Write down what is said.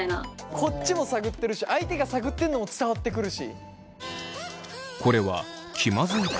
こっちも探ってるし相手が探ってるのも伝わってくるし。